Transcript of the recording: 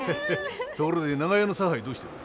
ところで長屋の差配どうしてる？